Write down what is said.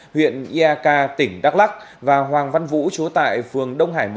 huyện yaka tỉnh đắk lắc và hoàng văn vũ trú tại phường đông hải một